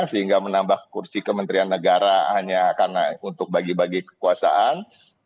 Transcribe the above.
sehingga menambah kursi kementerian negara hanya karena untuk bagi bagi kekuasaan